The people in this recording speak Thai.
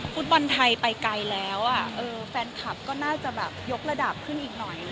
ฟุตบอลไทยไปไกลแล้วแฟนคลับก็น่าจะแบบยกระดับขึ้นอีกหน่อย